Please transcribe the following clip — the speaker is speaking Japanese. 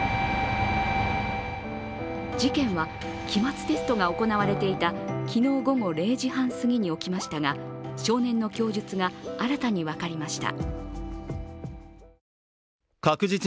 事件は期末テストが行われていた昨日午後０時半すぎに起きましたが少年の供述が新たに分かりました。